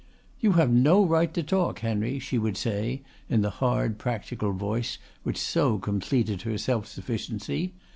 "You have no right to talk, Henry," she would say in the hard practical voice which so completed her self sufficiency.